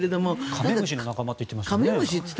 カメムシの仲間って言ってましたよね。